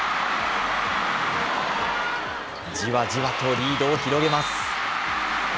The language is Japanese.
じわじわとリードを広げます。